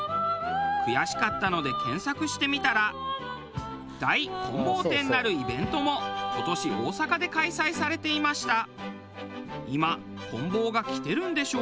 悔しかったので検索してみたら「大棍棒展」なるイベントも今年大阪で開催されていました。